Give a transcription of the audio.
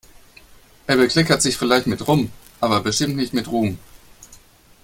Er bekleckert sich vielleicht mit Rum, aber bestimmt nicht mit Ruhm.